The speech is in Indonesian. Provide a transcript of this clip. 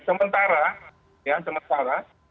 sementara ya sementara